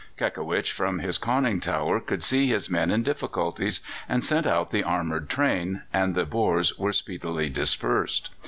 Kekewich, from his conning tower, could see his men in difficulties, and sent out the armoured train, and the Boers were speedily dispersed.